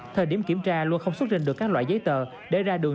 thời điểm kiểm tra luân không xuất rình được các loại giấy tờ để ra đường